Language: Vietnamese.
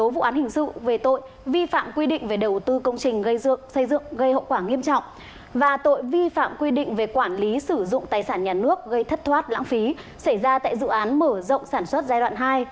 xảy ra tại dự án mở rộng sản xuất giai đoạn hai công ty tesco